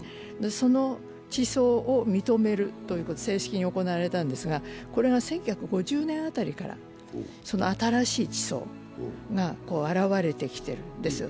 その地層を認めるというのが正式に行われたんですが、これが１９５０年辺りから新しい地層が現れてきてるんですよ。